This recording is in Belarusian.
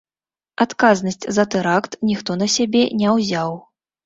Адказнасць за тэракт ніхто на сябе не ўзяў.